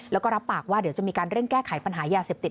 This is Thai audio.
แล้วก็รับปากว่าเดี๋ยวจะมีการเร่งแก้ไขปัญหายาเสพติด